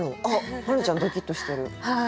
花ちゃんドキッとしてる。